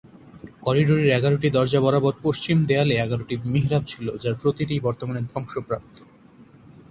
করিডোরের এগারটি দরজা বরাবর পশ্চিম দেয়ালে এগারটি মিহরাব ছিল যার প্রতিটিই বর্তমানে ধ্বংসপ্রাপ্ত।